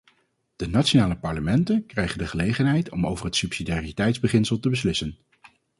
De nationale parlementen krijgen de gelegenheid om over het subsidiariteitsbeginsel te beslissen.